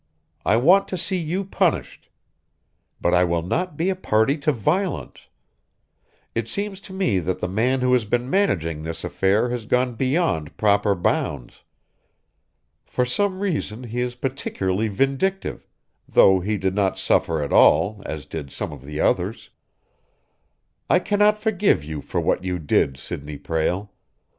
I want to see you punished. But I will not be a party to violence. It seems to me that the man who has been managing this affair has gone beyond proper bounds. For some reason, he is particularly vindictive, though he did not suffer at all, as did some of the others. I cannot forgive you for what you did, Sidney Prale.